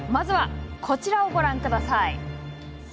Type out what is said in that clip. こちらをご覧ください。